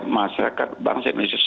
masyarakat bangsa indonesia